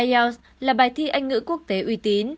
ielts là bài thi anh ngữ quốc tế uy tín